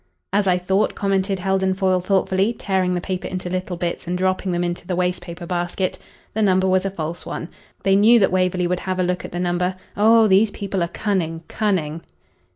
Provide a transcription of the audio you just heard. "As I thought," commented Heldon Foyle thoughtfully, tearing the paper into little bits and dropping them into the waste paper basket. "The number was a false one. They knew that Waverley would have a look at the number. Oh, these people are cunning cunning."